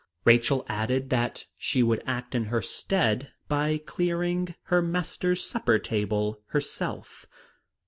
Rachel added that she would act in her stead by clearing her master's supper table herself.